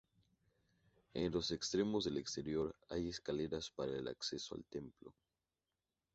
En los extremos del exterior hay escaleras para el acceso al Templo.